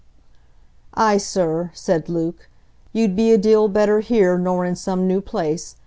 "Ay, sir," said Luke, "you'd be a deal better here nor in some new place.